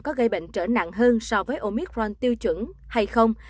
có gây bệnh trở nặng hơn so với omitron tiêu chuẩn hay không